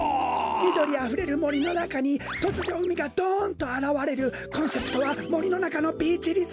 みどりあふれるもりのなかにとつじょうみがどんとあらわれるコンセプトはもりのなかのビーチリゾート！